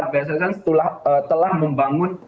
bssn telah membangun